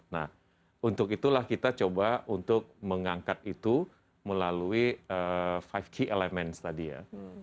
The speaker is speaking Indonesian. nah untuk itulah kita coba untuk mengangkat itu melalui lima key elemens tadi ya